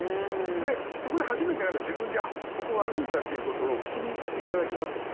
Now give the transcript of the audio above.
それでそこで初めて自分で「ここが悪いんだ」ということを口にして頂きますよね。